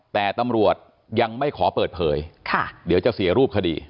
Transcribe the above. แต่ตำรวจยังไม่ขอเปิดเผยเดี๋ยวจะเสียรูปคดี